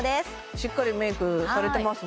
しっかりメイクされてます